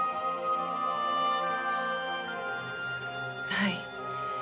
はい。